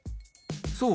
そう。